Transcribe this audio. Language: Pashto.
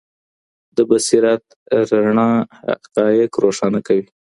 د بصیرت رڼا حقایق روښانه کوي.